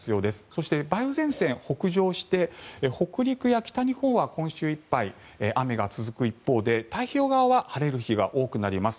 そして、梅雨前線、北上して北陸や北日本は今週いっぱい雨が続く一方で太平洋側は晴れる日が多くなります。